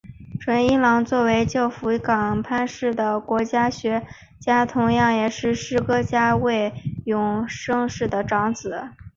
纯一郎作为旧福冈藩士的国学家同是也是诗歌家末永茂世的长子。